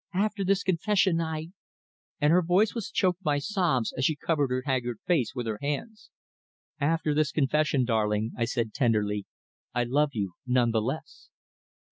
"After this confession I " and her voice was choked by sobs as she covered her haggard face with her hands. "After this confession, darling," I said tenderly, "I love you none the less."